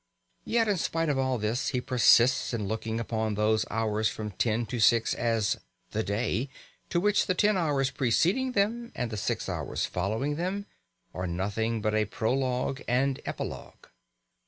Yet in spite of all this he persists in looking upon those hours from ten to six as "the day," to which the ten hours preceding them and the six hours following them are nothing but a prologue and epilogue.